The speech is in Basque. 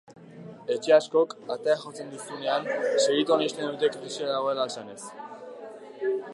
Etxe askok, atea jotzen duzunean segituan ixten dute krisia dagoela esanez.